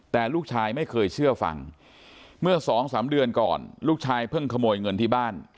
แต่ลูกชายไม่เคยเชื่อฟังเมื่อสองสามเดือนก่อนลูกชายเพิ่งขโมยเงินที่บ้าน